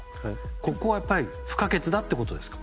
ここは、やっぱり不可欠だってことですか？